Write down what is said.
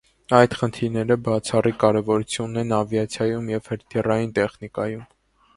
Այդ խնդիրները բացառիկ կարևորություն ունեն ավիացիայում և հրթիռային տեխնիկայում։